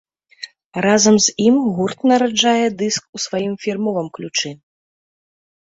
Разам з ім гурт нараджае дыск у сваім фірмовым ключы.